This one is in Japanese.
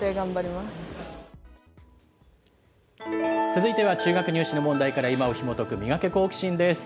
続いては中学入試の問題から今をひもとく、ミガケ、好奇心！